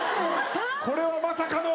これはまさかの。